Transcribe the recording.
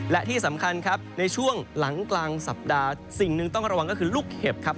และที่สำคัญครับในช่วงหลังกลางสัปดาห์สิ่งหนึ่งต้องระวังก็คือลูกเห็บครับ